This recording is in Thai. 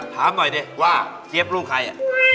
ถามหน่อยดิว่าเจี๊ยบลูกใคร